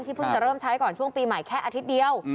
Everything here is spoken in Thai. เพิ่งจะเริ่มใช้ก่อนช่วงปีใหม่แค่อาทิตย์เดียว